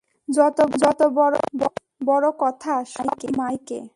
যত বড় বড় কথা, সব মাইকে।